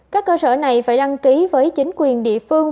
các cơ sở này phải đăng ký với chính quyền địa phương